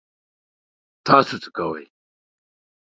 تاسو څه کوئ؟